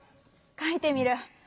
かいてみる。